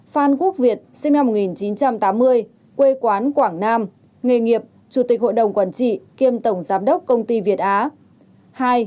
một phan quốc việt sinh năm một nghìn chín trăm tám mươi quê quán quảng nam nghề nghiệp chủ tịch hội đồng quản trị kiêm tổng giám đốc công ty việt á